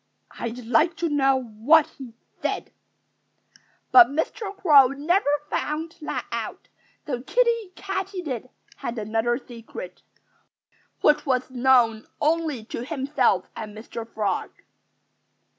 I'd like to know what he said." But Mr. Crow never found that out. So Kiddie Katydid had another secret, which was known only to himself and Mr. Frog.